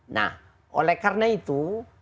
nah oleh karena itu